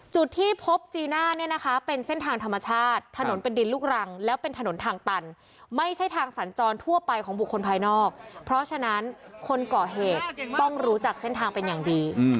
จุดที่พบจีน่าเนี่ยนะคะเป็นเส้นทางธรรมชาติถนนเป็นดินลูกรังแล้วเป็นถนนทางตันไม่ใช่ทางสัญจรทั่วไปของบุคคลภายนอกเพราะฉะนั้นคนก่อเหตุต้องรู้จักเส้นทางเป็นอย่างดี